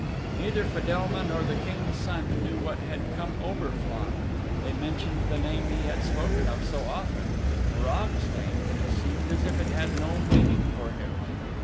Neither Fedelma nor the King's Son knew what had come over Flann. They mentioned the name he had spoken of so often Morag's name but it seemed as if it had no meaning for him.